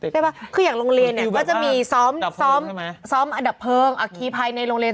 ใช่ไหมคืออย่างโรงเรียนก็จะมีซ้อมอดับเพิงอคีภัยในโรงเรียน